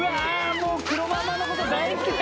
もう黒ママのこと大好きだ」